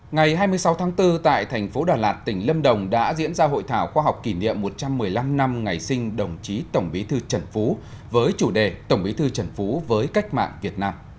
ngày hai mươi sáu tháng bốn tại thành phố đà lạt tỉnh lâm đồng đã diễn ra hội thảo khoa học kỷ niệm một trăm một mươi năm năm ngày sinh đồng chí tổng bí thư trần phú với chủ đề tổng bí thư trần phú với cách mạng việt nam